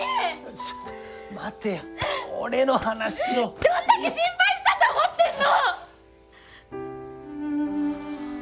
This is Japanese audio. ちょっと待てよ俺の話をどんだけ心配したと思ってんの！